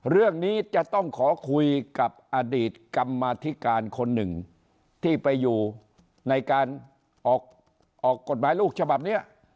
เรื่องนี้จะต้องขอคุยกับอดีตกรรมธิการคนหนึ่งที่ไปอยู่ในการออกกฎหมายลูกฉบับนี้